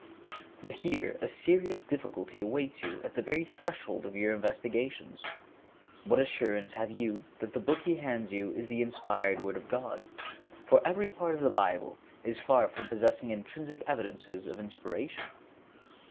But here a serious difficulty awaits you at the very threshold of your investigations. What assurance have you that the book he hands you is the inspired Word of God; for every part of the Bible is far from possessing intrinsic evidences of inspiration?